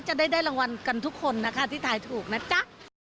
จะได้ได้รางวัลกันทุกคนนะคะที่ถ่ายถูกนะจ๊ะ